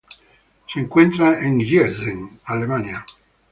Se encuentra en Giessen, Alemania.